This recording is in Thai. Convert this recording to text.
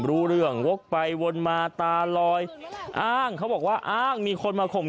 รู้เรื่องวกไปวนมาตาลอยอ้างเขาบอกว่าอ้างมีคนมาข่ม